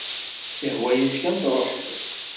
Ihwa-yas kan truḥ-d.